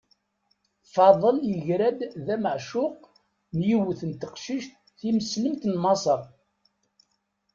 Faḍel yegra-d d ameεcuq n yiwet n teqcict timeslemt n Maṣer.